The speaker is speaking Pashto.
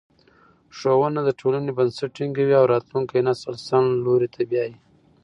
ښوونه د ټولنې بنسټ ټینګوي او راتلونکی نسل سم لوري ته بیايي.